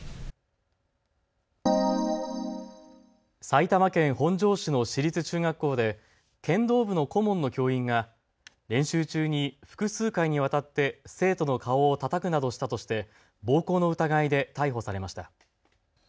埼玉県本庄市の私立中学校で剣道部の顧問の教員が練習中に複数回にわたって生徒の顔をたたくなどしたとして暴行の疑いで逮捕されました。